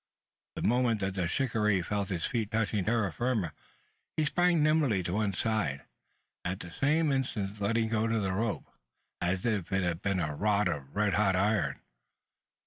The moment that the shikaree felt his feet touching terra firma, he sprang nimbly to one side, at the same instant letting go the rope, as if it had been a rod of red hot iron!